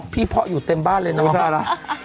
พี่พ่ออยู่เต็มบ้านเลยเนอะ